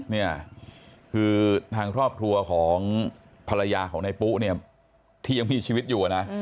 เนี่ยคือทางครอบครัวของภรรยาของนายปุ๊เนี่ยที่ยังมีชีวิตอยู่นะ